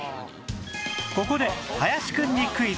ここで林くんにクイズ